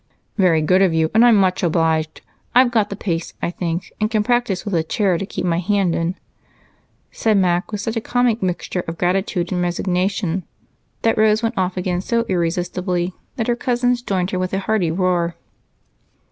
"Very good of you, and I'm much obliged. I've got the pace, I think, and can practice with a chair to keep my hand in," said Mac with such a comic mixture of gratitude and resignation that Rose went off again so irresistibly that her cousins joined her with a hearty roar.